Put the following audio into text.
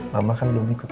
mama kan belum ikut